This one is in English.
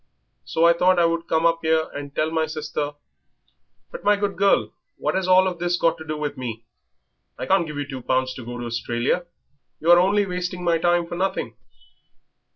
So I thought that I would come up 'ere and tell my sister " "But, my good girl, what has all this got to do with me? I can't give you two pounds to go to Australia. You are only wasting my time for nothing."